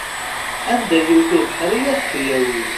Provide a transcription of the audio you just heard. Anda yewwet ubeḥri ad t-yawi.